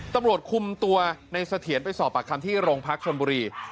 ตำรวจคุมตัวในเสถียรไปสอบปากคำที่โรงพักชนบุรี